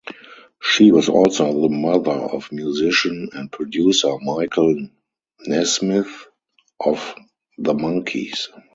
She was also the mother of musician and producer Michael Nesmith of The Monkees.